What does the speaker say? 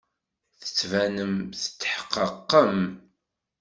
Tettbanem tetḥeqqeqem.